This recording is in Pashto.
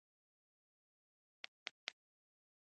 زده کړه د پرمختګ لاره خلاصوي.